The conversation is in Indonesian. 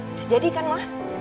bisa jadi kan mah